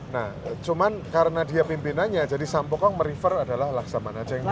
nah cuman karena dia pimpinannya jadi sampokong merifer adalah laksamana cheng